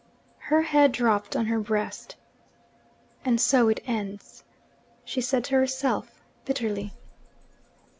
Her head dropped on her breast. 'And so it ends!' she said to herself bitterly.